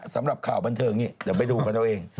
สำหรับข่าวบันเทิงนี้เดี๋ยวไปดูกันเอาเอง